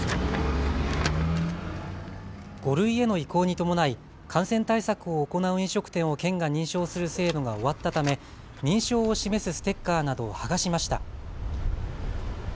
５類への移行に伴い感染対策を行う飲食店を県が認証する制度が終わったため認証を示すステッカーなどを剥がしました。